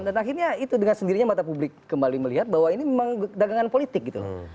dan akhirnya itu dengan sendirinya mata publik kembali melihat bahwa ini memang dagangan politik gitu